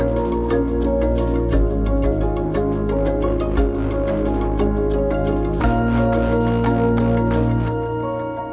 โปรดติดตามตอนต่อไป